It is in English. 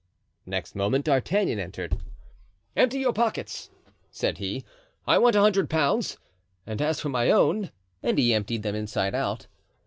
Next moment D'Artagnan entered. "Empty your pockets," said he; "I want a hundred pounds, and as for my own——" and he emptied them inside out.